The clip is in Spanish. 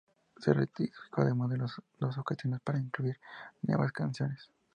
Se reeditó además en dos ocasiones para incluir nuevas canciones.